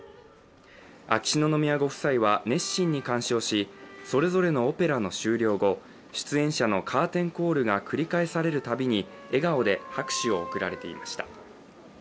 秋篠宮ご夫妻は熱心に鑑賞しそれぞれのオペラの終了後出演者のカーテンコールが繰り返されるたびに、笑顔で拍手を送られていました。